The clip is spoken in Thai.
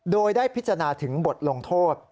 โดยได้พิจารณาถึงบทลงโทษ